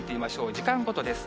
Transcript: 時間ごとです。